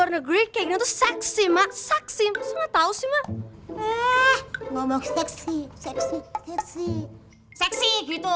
warna greek itu seksi maksaksim semua tahu sih mah eh ngomong seksi seksi seksi gitu